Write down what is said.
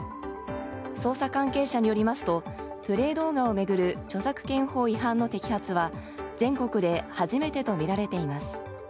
捜査関係者によりますとプレー動画を巡る著作権法違反の摘発は全国で初めてとみられています。